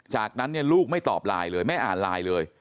จากนั้นเนี่ยลูกไม่ตอบไลน์เลยไม่อ่านไลน์เลย